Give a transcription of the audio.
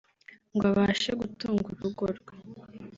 ngo abashe gutunga urugo rwe